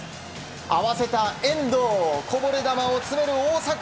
合わせた遠藤、こぼれ球を詰める大迫。